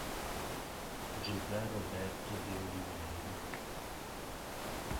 José Roberto de Oliveira